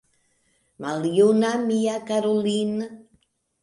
Maljuna mia karulin’!